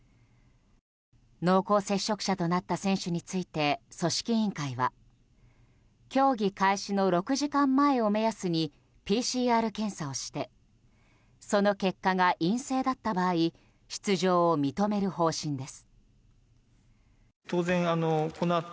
濃厚接触者となった選手について組織委員会は競技開始の６時間前を目安にＰＣＲ検査をしてその結果が陰性だった場合出場を認める方針です。